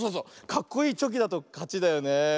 かっこいいチョキだとかちだよねえ。